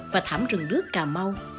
và thảm rừng đứt cà mau